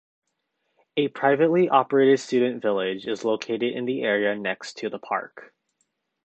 A privately operated student village is located in the area next to the park.